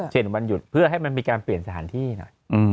วันหยุดเพื่อให้มันมีการเปลี่ยนสถานที่หน่อย